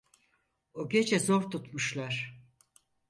O gece zor tutmuşlar.